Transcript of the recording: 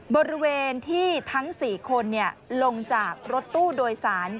บริเวณที่ทั้ง๔คนลงจากรถตู้โดยสาร